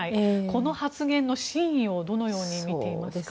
この発言の真意をどのように見ていますか？